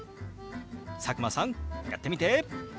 佐久間さんやってみて！